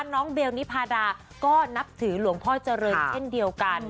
น้องเบลนิพาดาก็นับถือหลวงพ่อเจริญเช่นเดียวกัน